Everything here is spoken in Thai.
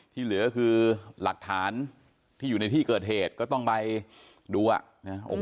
ที่เหลือคือหลักฐานที่อยู่ในที่เกิดเหตุก็ต้องไปดูอ่ะนะ